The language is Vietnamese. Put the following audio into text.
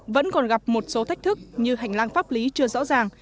vẫn còn gặp một số thách thức như hành lang pháp lý chưa rõ ràng